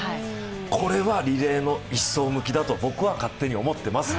これはリレーの１走向きだと、僕は勝手に思ってます。